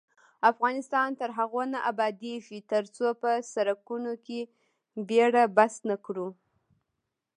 افغانستان تر هغو نه ابادیږي، ترڅو په سرکونو کې بیړه بس نکړو.